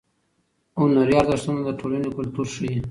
هنري ارزښتونه د ټولنې کلتور ښیي.